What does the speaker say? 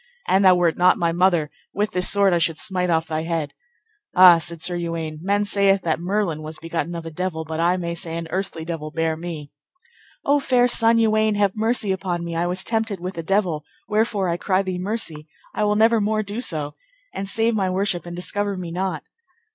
An thou wert not my mother, with this sword I should smite off thy head. Ah, said Sir Uwaine, men saith that Merlin was begotten of a devil, but I may say an earthly devil bare me. O fair son, Uwaine, have mercy upon me, I was tempted with a devil, wherefore I cry thee mercy; I will never more do so; and save my worship and discover me not.